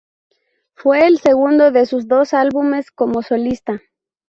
Fue el segundo de sus dos álbumes como solista.